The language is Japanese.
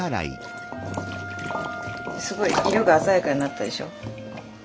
すごい色が鮮やかになったでしょ。